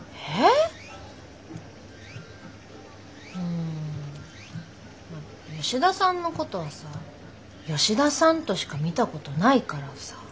ん吉田さんのことはさ吉田さんとしか見たことないからさ。